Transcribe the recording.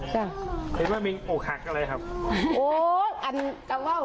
ใช่ค่ะถึงว่ามีโอคหักอะไรครับ